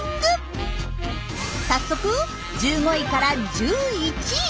早速１５位から１１位。